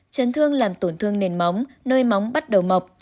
chấn thương làm tổn thương nền móng nơi móng bắt đầu mọc